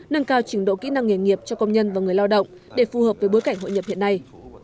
nâng cao trình độ kỹ năng nghề nghiệp cho công nhân và người lao động để phù hợp với bối cảnh hội nhập hiện nay